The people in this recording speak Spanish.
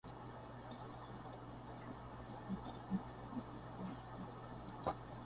Los sencillos adicionales hicieron poco en las listas, y el grupo finalmente se desvaneció.